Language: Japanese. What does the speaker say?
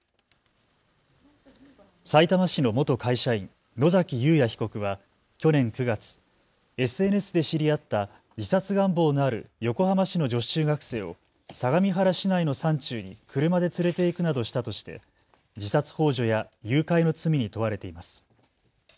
さいたま市の元会社員、野崎祐也被告は去年９月、ＳＮＳで知り合った自殺願望のある横浜市の女子中学生を相模原市内の山中に車で連れていくなどしたとして自殺ほう助や誘拐の罪に問われています。